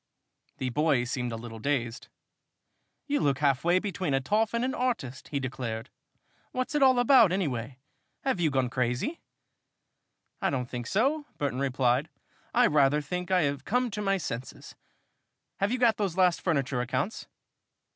The boy seemed a little dazed. "You look half way between a toff and an artist!" he declared. "What's it all about, anyway? Have you gone crazy?" "I don't think so," Burton replied. "I rather think I have come to my senses. Have you got those last furniture accounts?"